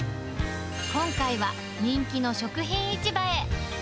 今回は人気の食品市場へ。